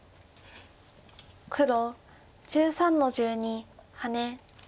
黒１３の十二ハネ。